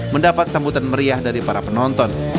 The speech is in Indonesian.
mendapat sambutan meriah dari para penonton